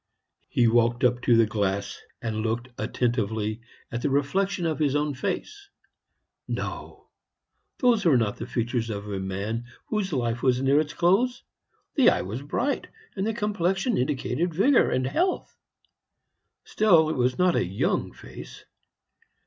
He walked up to the glass, and looked attentively at the reflection of his own face. No! those were not the features of a man whose life was near its close; the eye was bright, and the complexion indicated vigor and health. Still, it was not a young face.